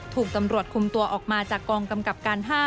ถูกตำรวจคุมตัวออกมาจากกองกำกับการ๕